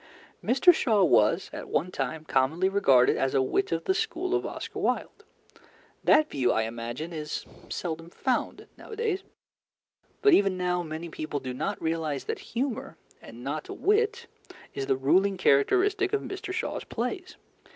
Mr. Shaw was at one time commonly regarded as a wit of the school of Oscar Wilde. That view, I imagine, is seldom found nowadays, but even now many people do not realize that humour, and not wit, is the ruling characteristic of Mr. Shaw's plays.